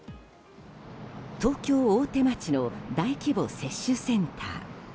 東京・大手町の大規模接種センター。